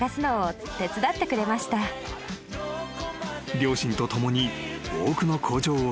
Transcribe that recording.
［両親と共に多くの工場を見学］